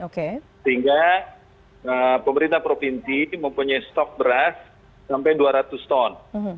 sehingga pemerintah provinsi mempunyai stok beras sampai dua ratus ton